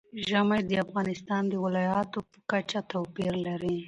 ژمی د افغانستان د ولایاتو په کچه توپیر لري.